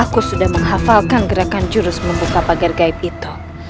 aku sudah menghafalkan gerakan jurus membuka pagar gaib itu